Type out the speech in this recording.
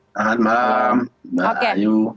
selamat malam mbak ayu